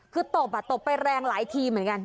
คือตบตบไปแรงหลายทีเหมือนกัน